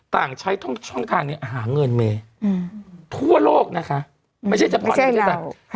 ต่างใช้ช่องการหาเงินเมฆทั่วโลกนะคะไม่ใช่เฉพาะไม่ใช่เรา